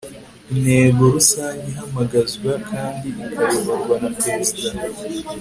intego rusange ihamagazwa kandi ikayoborwa na perezida